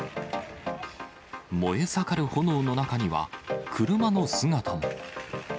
燃え盛る炎の中には、車の姿も。